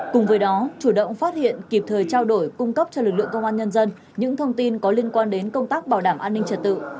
cùng với đó chủ động phát hiện kịp thời trao đổi cung cấp cho lực lượng công an nhân dân những thông tin có liên quan đến công tác bảo đảm an ninh trật tự